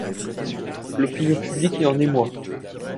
L'opinion publique est en émoi.